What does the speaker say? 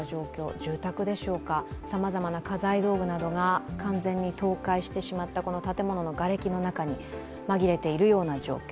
住宅でしょうか、さまざまな家財道具などが完全に倒壊してしまった建物のがれきの中に紛れているような状況。